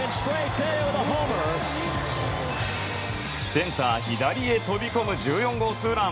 センター左へ飛び込む１４号ツーラン！